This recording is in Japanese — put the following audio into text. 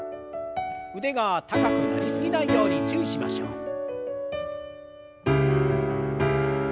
腕が高くなり過ぎないように注意しましょう。